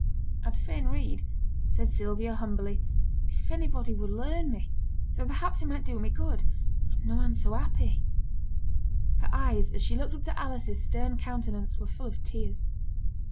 'I'd fain read,' said Sylvia, humbly, 'if anybody would learn me; for perhaps it might do me good; I'm noane so happy.' Her eyes, as she looked up at Alice's stern countenance, were full of tears.